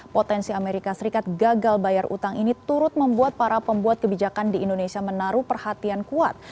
potensi amerika serikat gagal bayar utang ini turut membuat para pembuat kebijakan di indonesia menaruh perhatian kuat